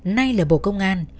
nay là bộ công an